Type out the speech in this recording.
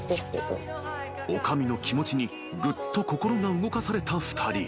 ［女将の気持ちにぐっと心が動かされた２人］